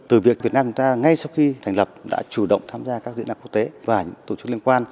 từ việc việt nam người ta ngay sau khi thành lập đã chủ động tham gia các diễn đoàn quốc tế và tổ chức liên quan